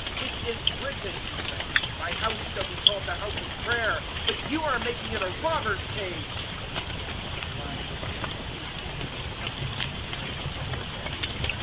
021:013 "It is written," He said, "`My House shall be called the House of Prayer', but you are making it a robbers' cave." 021:014 And the blind and the lame came to Him in the Temple, and He cured them.